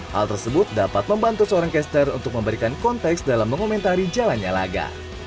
hal tersebut dapat membantu seorang caster untuk memberikan konteks dalam mengomentari jalannya laga